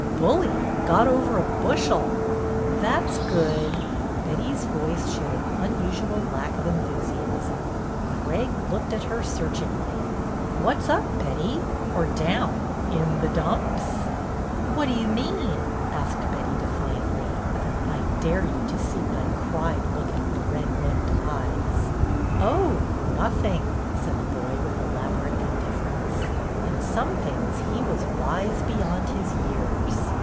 Bully ! Got over a bushel." That 's good." Betty's voice showed an unusual lack of enthusiasm. Craig looked at her searchingly. ''What's up, Betty? Or down? In the dumps ?"" What do you mean? " asked Betty, defiantly, with an I dare you to see that I cried look in her red rimmed eyes. " Oh, nothing," said the boy, with elaborate indifference. In some things he was wise beyond his years.